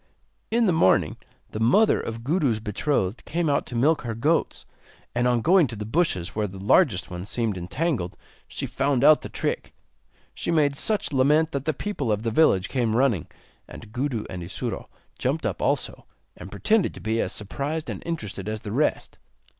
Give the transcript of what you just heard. In the morning the mother of Gudu's betrothed came out to milk her goats, and on going to the bushes where the largest one seemed entangled, she found out the trick. She made such lament that the people of the village came running, and Gudu and Isuro jumped up also, and pretended to be as surprised and interested as the rest.